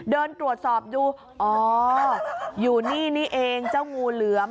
เดินตรวจสอบดูอ๋ออยู่นี่นี่เองเจ้างูเหลือม